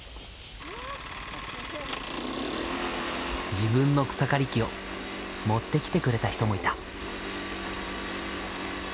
自分の草刈り機を持ってきてくれた人もいた。